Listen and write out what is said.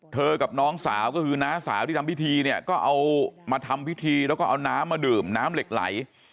กับน้องสาวก็คือน้าสาวที่ทำพิธีเนี่ยก็เอามาทำพิธีแล้วก็เอาน้ำมาดื่มน้ำเหล็กไหล